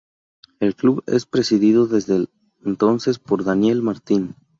El Club es presidido desde entonces por Daniel Martín.